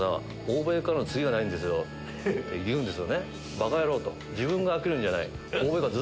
バカ野郎！と。